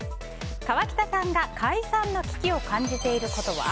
川北さんが解散の危機を感じていることは？